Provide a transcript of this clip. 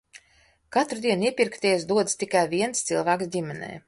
Katru dienu iepirkties dodas tikai viens cilvēks ģimenē.